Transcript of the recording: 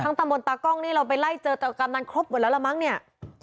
ตำบลตากล้องนี่เราไปไล่เจอกำนันครบหมดแล้วละมั้งเนี่ย